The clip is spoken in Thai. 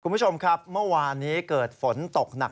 กลุ่มผู้ชมครับม้ววานนี้เกิดฝนตกหนัก